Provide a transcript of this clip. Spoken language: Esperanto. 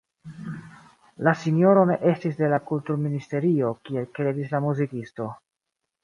La sinjoro ne estis de la Kulturministerio kiel kredis la muzikisto.